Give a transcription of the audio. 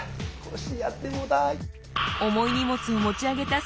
腰やってもうた。